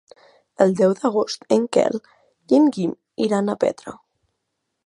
El deu d'agost en Quel i en Guim iran a Petra.